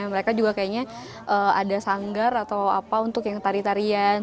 mereka juga kayaknya ada sanggar atau apa untuk yang tari tarian